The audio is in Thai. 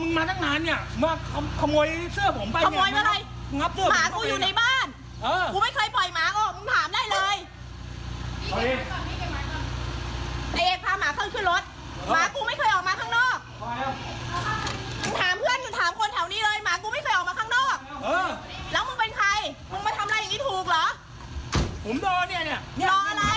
มึงมาทำอะไรอย่างงี้ถูกเหรอผมรอเนี้ยเนี้ยรออะไร